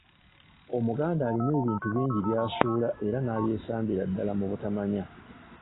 Omuganda alina ebintu bingi byasuula era n’abyesambira ddala mu butamanya.